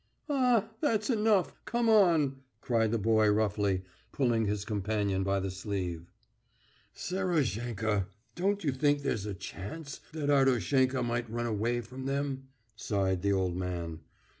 "Ah, that's enough. Come on!" cried the boy roughly, pulling his companion by the sleeve. "Serozhenka! Don't you think there's a chance that Artoshenka might run away from them?" sighed the old man.